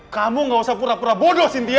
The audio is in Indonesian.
kamu gak usah pura pura bodoh cynthia